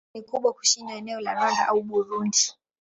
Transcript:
Eneo hili ni kubwa kushinda eneo la Rwanda au Burundi.